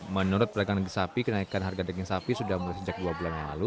menurut pedagang daging sapi kenaikan harga daging sapi sudah mulai sejak dua bulan yang lalu